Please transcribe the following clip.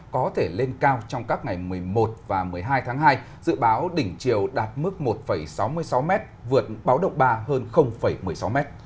có thể lên cao trong các ngày một mươi một và một mươi hai tháng hai dự báo đỉnh chiều đạt mức một sáu mươi sáu m vượt báo động ba hơn một mươi sáu m